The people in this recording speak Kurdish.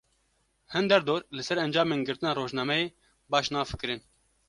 Hin derdor, li ser encamên girtina rojnameyê baş nafikirin